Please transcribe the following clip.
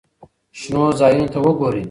شنو ځایونو ته وګورئ.